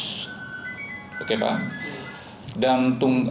kemudian lengan kiri dan tungkai kiri itu terpasang gips